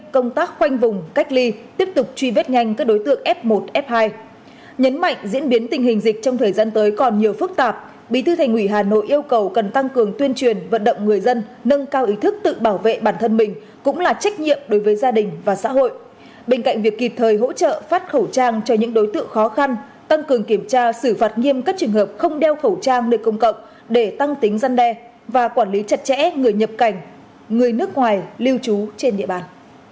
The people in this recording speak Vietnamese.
cảnh việc kịp thời hỗ trợ phát khẩu trang cho những đối tượng khó khăn tăng cường kiểm tra xử phạt nghiêm cất trường hợp không đeo khẩu trang nơi công cộng để tăng tính dân đe và quản lý chặt chẽ người nhập cảnh người nước ngoài lưu trú trên địa bàn